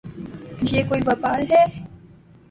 یہ کوئی وبال ہے۔